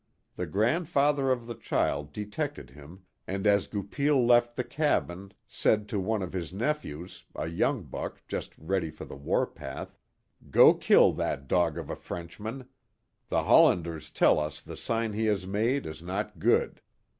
The grandfather of the child detected him, and as Goupil left the cabin said to one of his nephews, a young buck just ready for the war path: Go kill that dog of a Frenchman; the Hollanders tell us the sign he has made is not good."